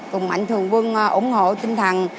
cùng mạnh thường quân ủng hộ tinh thần